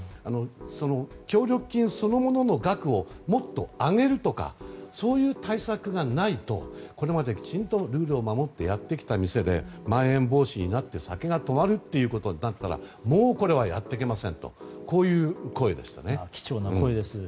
協力金そのものの額をもっと上げるとかそういう対策がないとこれまできちんとルールを守ってやってきた店でまん延防止措置になって酒が止まるということになればもうこれはやっていけませんとこういう声でした。